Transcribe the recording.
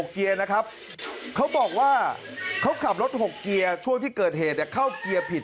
เขาบอกว่าเขาขับรถ๖เกียร์ช่วงที่เกิดเหตุเข้าเกียร์ผิด